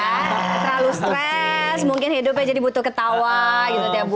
terlalu stress mungkin hidupnya jadi butuh ketawa gitu tiap bulan